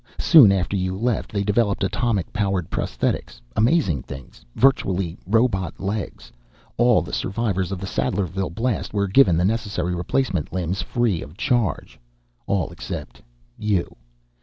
Soon after you left they developed atomic powered prosthetics amazing things, virtually robot legs. All the survivors of the Sadlerville Blast were given the necessary replacement limbs free of charge. All except you.